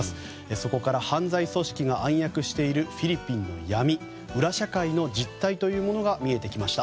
そこから犯罪組織が暗躍しているフィリピンの闇裏社会の実態というものが見えてきました。